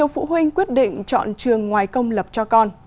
phụ huynh quyết định chọn trường ngoài công lập cho con